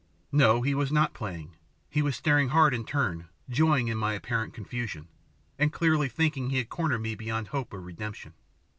No, he was not playing; he was staring hard in turn, joying in my apparent confusion, and clearly thinking he had cornered me beyond hope of redemption.